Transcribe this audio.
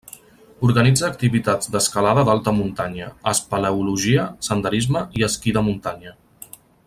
Organitza activitats d'escalada d'alta muntanya, espeleologia, senderisme i esquí de muntanya.